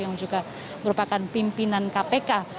yang juga merupakan pimpinan kpk